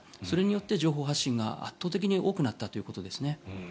それによって情報発信が圧倒的に多くなったということですね。